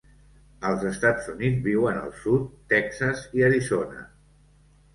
Als Estats Units viuen al sud Texas i Arizona.